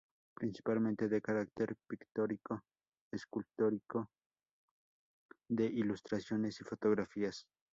Principalmente de carácter pictórico, escultórico, de ilustraciones y fotografías.